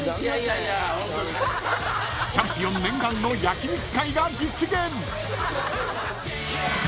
［チャンピオン念願の焼肉会が実現］